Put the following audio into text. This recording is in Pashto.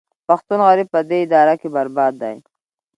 پښتون غریب په دې اداره کې برباد دی